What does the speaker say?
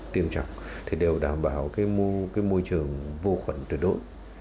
tiêm trọng thì đều đảm bảo môi trường vô khuẩn tuyệt đối